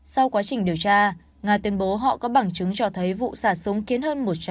sau quá trình điều tra nga tuyên bố họ có bằng chứng cho thấy vụ xả súng khiến hơn một trăm linh